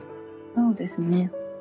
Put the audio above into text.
そうですね。